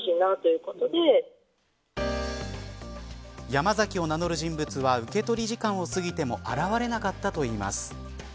ヤマザキを名乗る人物は受け取り時間を過ぎても現れなかったといいます。